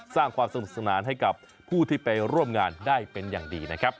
สร้างความสนุกสนานให้กับผู้ที่ไปร่วมงานได้เป็นอย่างดีนะครับ